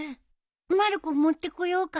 まる子持ってこようか？